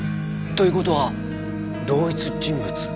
という事は同一人物？